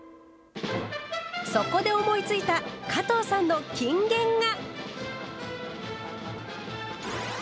そこで思いついた加藤さんの金言が。